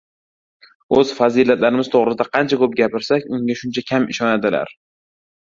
O‘z fazilatlarimiz to‘g‘risida qancha ko‘p gapirsak, unga shuncha kam ishonadilar.